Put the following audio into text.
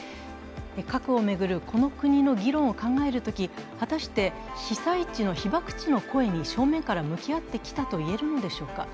核を巡るこの国の議論を考えると、果たして被災地・被爆地の議論に正面から向き合ってきたと言えるのでしょうか。